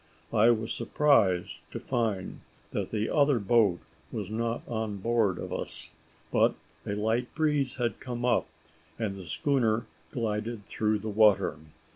I was surprised to find that the other boat was not on board of us: but a light breeze had come up, and the schooner glided through the water.